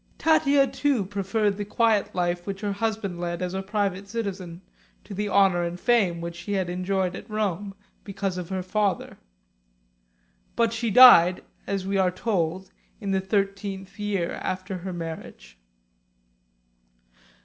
Tatia, too, preferred the quiet life which her husband led as a private citizen to the honour and fame which she had enjoyed at Rome because of her father. But she died, as we are told, in the thirteenth year after her marriage.